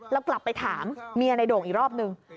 แล้วกลับไปถามเมียในโด่งอีกรอบนึง